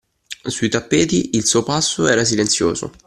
Sui tappeti il suo passo era silenzioso.